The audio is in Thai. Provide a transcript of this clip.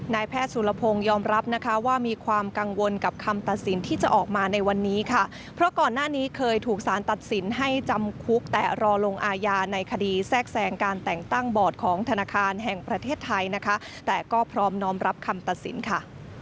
แพทย์สุรพงศ์ยอมรับนะคะว่ามีความกังวลกับคำตัดสินที่จะออกมาในวันนี้ค่ะเพราะก่อนหน้านี้เคยถูกสารตัดสินให้จำคุกแต่รอลงอาญาในคดีแทรกแทรงการแต่งตั้งบอร์ดของธนาคารแห่งประเทศไทยนะคะแต่ก็พร้อมน้อมรับคำตัดสินค่ะ